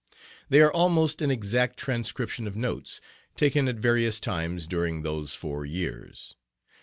They are almost an exact transcription of notes taken at various times during those four years.